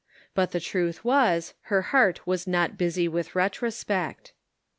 But the truth was, her heart was not bus}* with retrospect.